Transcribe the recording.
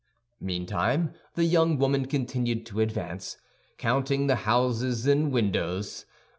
Meantime the young woman continued to advance, counting the houses and windows.